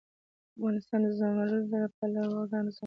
افغانستان د زمرد د پلوه ځانته ځانګړتیا لري.